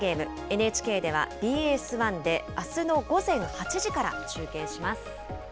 ＮＨＫではＢＳ１であすの午前８時から中継します。